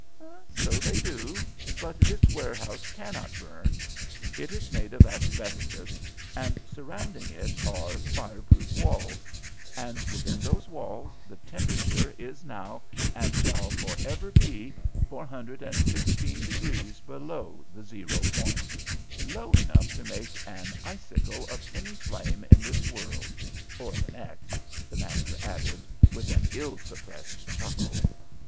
"So they do, but this warehouse cannot burn. It is made of asbestos and surrounding it are fire proof walls, and within those walls the temperature is now and shall forever be 416 degrees below the zero point; low enough to make an icicle of any flame in this world or the next," the master added, with an ill suppressed chuckle.